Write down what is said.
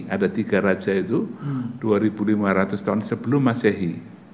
ada tiga raja itu dua lima ratus tahun sebelum masehi